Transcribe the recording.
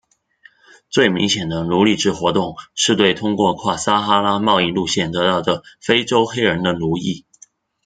最明显的奴隶制活动是对通过跨撒哈拉贸易路线得到的非洲黑人的奴役。